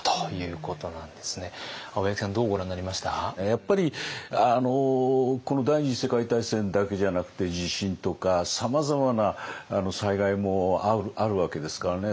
やっぱりこの第二次世界大戦だけじゃなくて地震とかさまざまな災害もあるわけですからね。